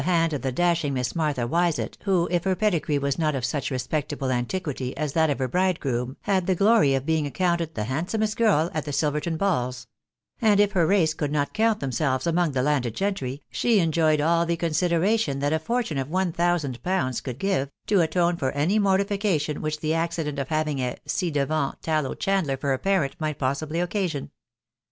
hand of the dashing Miss Martha Wisfttt.^Voi^ \*sst V^* %« THE WIDOW BARNABY. gree was not of such respectable antiquity as that of her bride groom, had the glory of being accounted the handsomest girl ' at the Silverton balls ; and if her race could not count them selves among the landed gentry, she enjoyed all the consider ation that a fortune of one thousand pounds could give, to atone for any mortification which the accident of having a ci devant tallow chandler for her parent might possibly occasion.